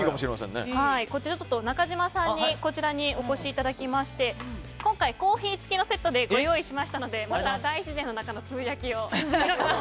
こちら、中島さんにお越しいただきまして今回、コーヒー付きのセットでご用意しましたので大自然の中のつぶやきを。